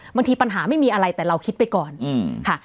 บางทีปัญหาไม่มีอะไรแต่เราคิดไปก่อนค่ะ